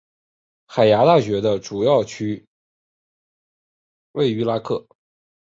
海牙大学的主校区即位在拉克。